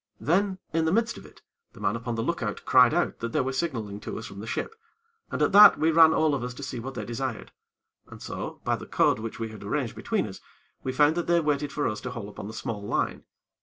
Then, in the midst of it, the man upon the lookout cried out that they were signaling to us from the ship, and, at that, we ran all of us to see what they desired, and so, by the code which we had arranged between us, we found that they waited for us to haul upon the small line.